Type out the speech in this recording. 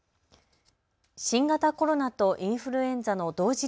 新型コロナとインフルエンザの同時